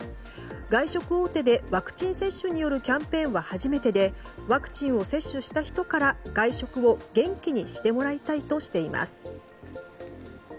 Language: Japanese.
外食大手でワクチン接種によるキャンペーンは初めてでワクチンを接種した人から外食を元気にしてもらいたいとしています。